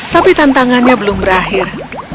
tapi tantangannya belum berakhir